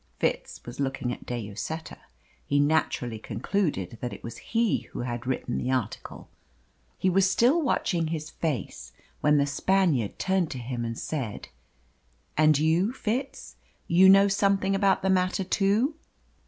Fitz was looking at De Lloseta. He naturally concluded that it was he who had written the article. He was still watching his face when the Spaniard turned to him and said "And you, Fitz? You know something about the matter too!"